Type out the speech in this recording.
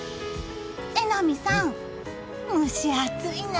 榎並さん、蒸し暑いなあ。